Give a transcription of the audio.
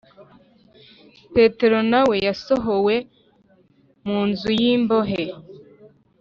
petero nawe yasohowe mu nzu yimbohe